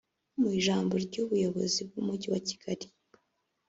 Mu ijambo ry’Umuyobozi w’Umujyi wa Kigali